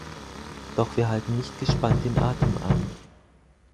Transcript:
Doch wir halten nicht gespannt den Atem an.